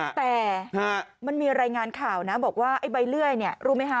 แต่มันมีรายงานข่าวนะบอกว่าไอ้ใบเลื่อยเนี่ยรู้ไหมคะ